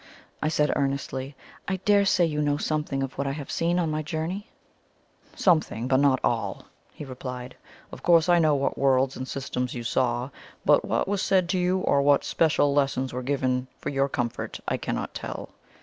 I said earnestly. "I dare say you know something of what I have seen on my journey?" "Something, but not all," he replied. "Of course I know what worlds and systems you saw, but what was said to you, or what special lessons were given you for your comfort, I cannot tell."